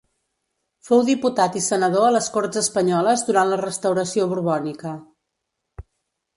Fou diputat i senador a les Corts espanyoles durant la restauració borbònica.